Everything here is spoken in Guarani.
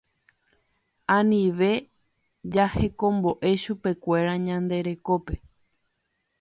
Anive jahekomboʼe chupekuéra ñande rekópe.